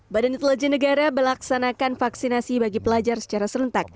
badan intelijen negara melaksanakan vaksinasi bagi pelajar secara serentak